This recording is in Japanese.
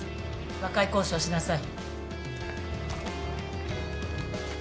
和解交渉しなさい。